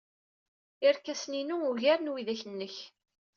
Irkasen-inu ugaren widak-nnek.